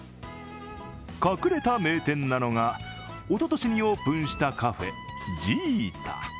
隠れた名店なのが、おととしにオープンしたカフェ、ジータ。